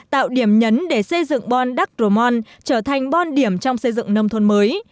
tạo điểm nhấn để xây dựng bon đắk rổ mon trở thành bon điểm trong xây dựng nông thôn mới